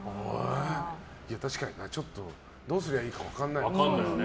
確かに、どうすりゃいいか分からないか。